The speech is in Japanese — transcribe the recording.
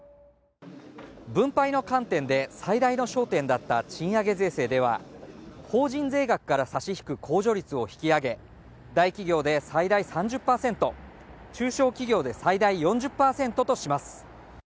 分配の観点で最大の焦点だった賃上げ税制では法人税額から差し引く控除率を引き上げ大企業で最大３０％中小企業で最大４０％とします